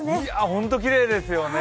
本当にきれいですね。